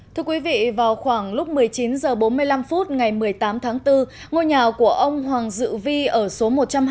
thưa quý vị vào khoảng lúc một mươi chín h bốn mươi năm phút ngày một mươi tám tháng bốn ngôi nhà của ông hoàng dự vi ở số một trăm hai mươi